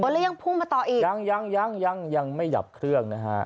แล้วยังพุ่มมาต่ออีกยังไม่หยับเครื่องนะคะ